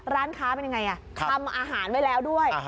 ร้านค้าเป็นยังไงทำอาหารไว้แล้วด้วย